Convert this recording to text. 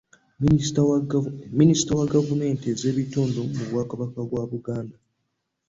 Minisita wa gavumenti ez'ebitundu mu Bwakabaka bwa Buganda